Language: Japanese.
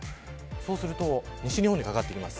そうすると西日本にかかってきます。